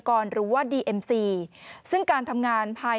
สำหรับห้องจะจะเป็นทั้ง๔หน่วยย่อย